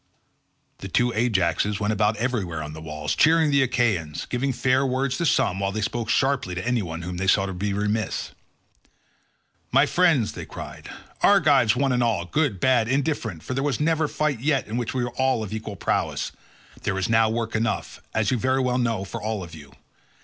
The two Ajaxes went about everywhere on the walls cheering on the Achaeans, giving fair words to some while they spoke sharply to any one whom they saw to be remiss. "My friends," they cried, "Argives one and all—good bad and indifferent, for there was never fight yet, in which all were of equal prowess—there is now work enough, as you very well know, for all of you.